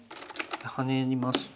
ハネますと。